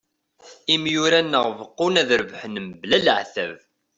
Imyurar-nneɣ beqqun ad rebḥen mebla leɛtab.